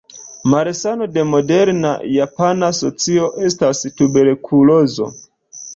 Malsano de moderna japana socio estas tuberkulozo.